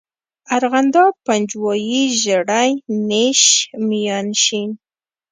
ارغنداب، پنجوائی، ژړی، نیش، میانشین.